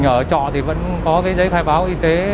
ở chợ thì vẫn có cái giấy khai báo y tế